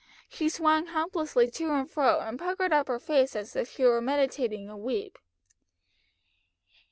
She swung helplessly to and fro, and puckered up her face as if she were meditating a weep.